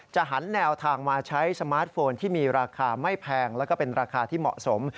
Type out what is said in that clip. หันแนวทางมาใช้สมาร์ทโฟนที่มีราคาไม่แพงแล้วก็เป็นราคาที่เหมาะสม